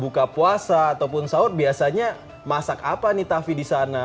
buka puasa ataupun sahur biasanya masak apa nih taffi di sana